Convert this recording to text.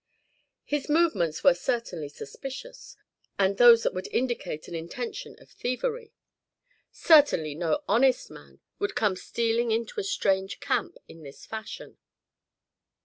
His movements were certainly suspicious, and those that would indicate an intention of thievery. Certainly no honest man would come stealing into a strange camp in this fashion.